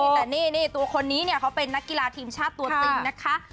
หายตัวคนนี้เป็นนักกีฬาทีมชาติตัวจริงนะคะ